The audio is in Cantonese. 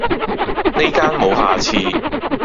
呢間無下次!